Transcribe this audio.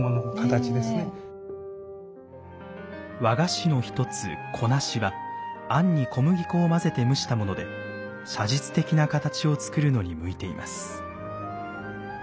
和菓子の一つこなしは餡に小麦粉を混ぜて蒸したもので写実的な形を作るのに向いています。